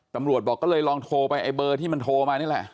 ตำรวจบอกก็เลยลองโทรไปไอ้เบอร์ที่มันโทรมานี่แหละ